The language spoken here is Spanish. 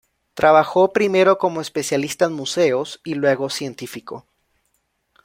Trabajó primero como especialista en museos, y luego científico.